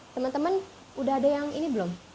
teman teman udah ada yang ini belum